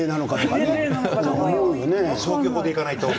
消去法でいかないと。